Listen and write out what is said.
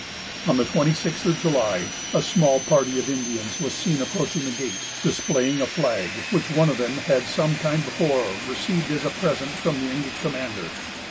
On the twenty sixth of July, a small party of Indians was seen approaching the gate, displaying a flag, which one of them had some time before received as a present from the English commander.